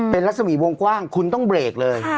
เป็นรัศมีวงกว้างคุณต้องเบรกเลย